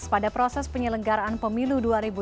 pada proses penyelenggaraan pemilu dua ribu dua puluh